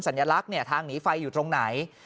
สัญลักษณ์ทางหนีไฟอยู่ตรงไหน